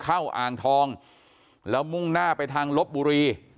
อ่างทองแล้วมุ่งหน้าไปทางลบบุรี